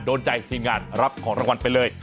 โดนใจทีมงานรับของรางวัลไปเลย